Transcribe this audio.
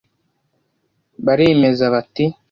baremeza bati